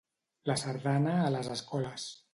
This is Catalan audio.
La sardana a les escoles.